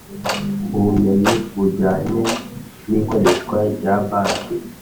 Ubumenyi bujyanye n ikoreshwa rya banki